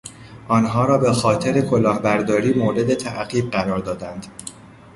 آنها را بهخاطر کلاهبرداری مورد تعقیب قرار دادند.